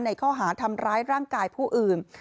ในข้อหาทำร้ายร่างกายผู้อื่น